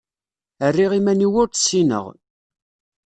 Rriɣ iman-iw ur tt-ssineɣ.